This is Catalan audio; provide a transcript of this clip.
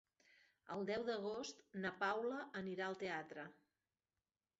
El deu d'agost na Paula anirà al teatre.